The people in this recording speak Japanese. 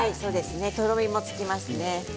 とろみもつきますしね。